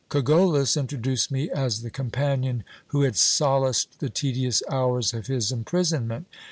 Co gollos introduced me as the companion who had solaced the tedious hours of his imprisonment.